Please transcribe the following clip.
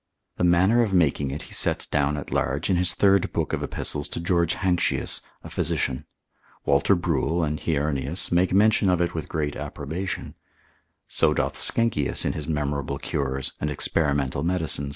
The manner of making it he sets down at large in his third book of Epist. to George Hankshius a physician. Walter Bruel, and Heurnius, make mention of it with great approbation; so doth Sckenkius in his memorable cures, and experimental medicines, cen.